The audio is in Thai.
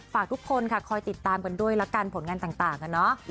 ฝากทุกคนค่ะคอยติดตามกันด้วยละกันผลงานต่างอะเนาะ